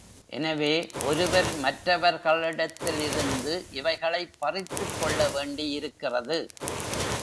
எனவே, ஒருவர் மற்றவர்களிடத்திலிருந்து இவைகளைப் பறித்துக் கொள்ளவேண்டி யிருக்கிறது.